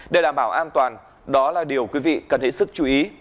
để đảm bảo an toàn đó là điều quý vị cần hãy sức chú ý